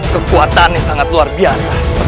kekuatannya sangat luar biasa